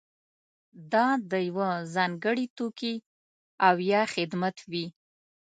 دا د یوه ځانګړي توکي او یا خدمت وي.